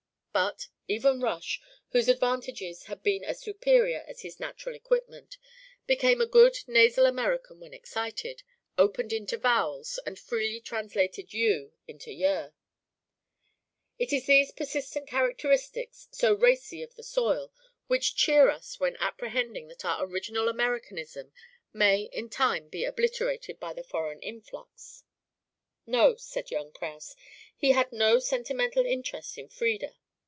But, even Rush, whose advantages had been as superior as his natural equipment, became a good nasal American when excited, opened into vowels, and freely translated you into yer. It is these persistent characteristics, so racy of the soil, which cheer us when apprehending that our original Americanism may in time be obliterated by the foreign influx. No, said young Kraus, he had no sentimental interest in Frieda.